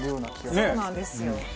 そうなんですよ。